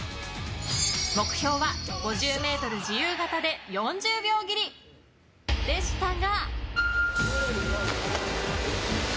目標は５０ｍ自由形で４０秒切りでしたが。